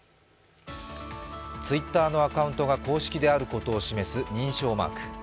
Ｔｗｉｔｔｅｒのアカウントが公式であることを示す認証マーク。